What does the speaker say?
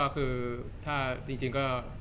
จริงก็คือถ้าจริงก็